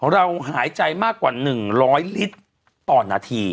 หายใจมากกว่า๑๐๐ลิตรต่อนาที